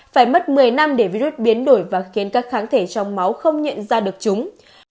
phải mất một mươi năm để virus biến đổi và khiến các kháng thể trong máu không nhận ra được chúng